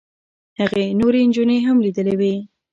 هغې نورې نجونې هم لیدلې وې.